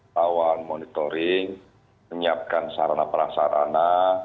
tawaran monitoring menyiapkan sarana perasarana